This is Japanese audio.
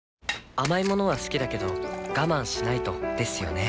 甘い物は好きだけど我慢しないとですよね